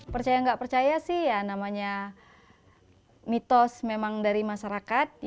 percaya nggak percaya sih ya namanya mitos memang dari masyarakat